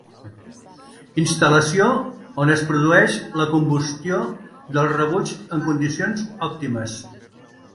Instal·lació on es produeix la combustió del rebuig en condicions òptimes.